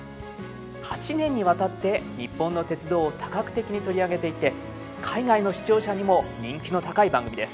８年にわたって日本の鉄道を多角的に取り上げていて海外の視聴者にも人気の高い番組です。